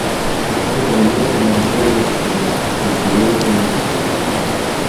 Accanto a lei rimane solo Nessuno, il suo unico amico.